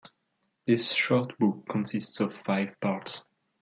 This short book consists of five parts.